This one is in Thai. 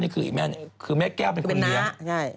คือแม่แก้วเป็นคนเลี้ยง